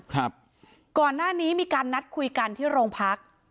ครับก่อนหน้านี้มีการนัดคุยกันที่โรงพัก